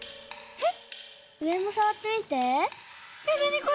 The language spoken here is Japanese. えっ。